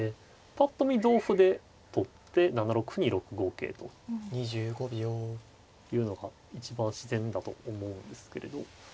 ぱっと見同歩で取って７六歩に６五桂というのが一番自然だと思うんですけれど。